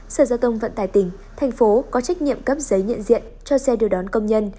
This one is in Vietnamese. sở giao thông vận tải tỉnh thành phố có trách nhiệm cấp giấy nhận diện cho xe đưa đón công nhân